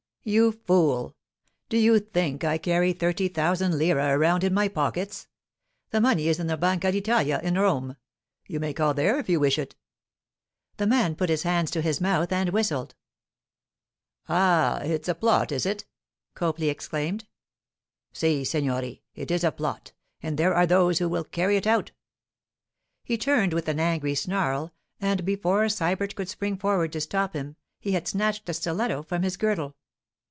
'You fool! Do you think I carry thirty thousand lire around in my pockets? The money is in the Banca d'Italia in Rome. You may call there if you wish it.' The man put his hands to his mouth and whistled. 'Ah! It's a plot, is it!' Copley exclaimed. 'Si, signore. It is a plot, and there are those who will carry it out.' He turned with an angry snarl, and before Sybert could spring forward to stop him he had snatched a stiletto from his girdle.